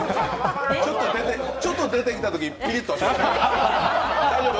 ちょっと出てきたときピリッとしました。